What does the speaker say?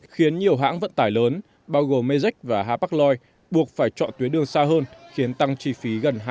khiến nhiều hãng vận tải lớn bao gồm mezek và hapakloy buộc phải chọn tuyến đường xa hơn khiến tăng chi phí gần hai trăm năm mươi